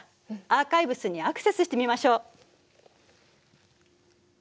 アーカイブスにアクセスしてみましょう。